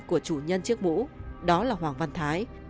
của chủ nhân chiếc mũ đó là hoàng văn thái